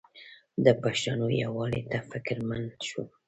د پښتنو یووالي ته فکرمند شم.